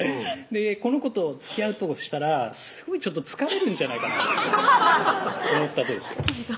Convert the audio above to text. この子とつきあうとしたらすごい疲れるんじゃないかな思ったとですよ